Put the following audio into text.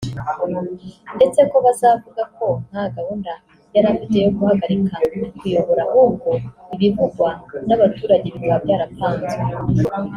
ndetse ko bazavuga ko nta gahunda yari afite yo guhagarika kuyobora ahubwo ibivugwa na baturage bikaba byarapanzwe